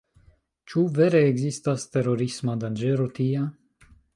Ĉu vere ekzistas terorisma danĝero tia?